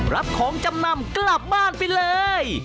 รับของจำนำกลับบ้านไปเลย